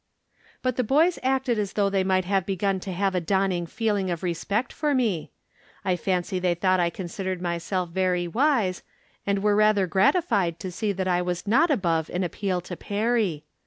But the boys acted as though they might have begun to have a dawning feeling of respect for me; I fancy they thought I considered myself very wise, and were rather gratified to see that I was not above an appeal to Perry.